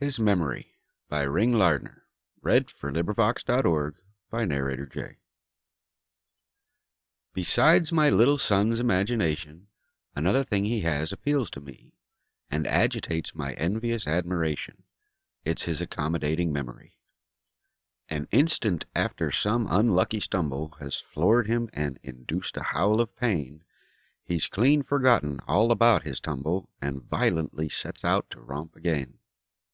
I'd give them back my salary. HIS MEMORY Besides my little son's imagination, Another thing he has appeals to me And agitates my envious admiration It's his accommodating memory. An instant after some unlucky stumble Has floored him and induced a howl of pain, He's clean forgotten all about his tumble And violently sets out to romp again.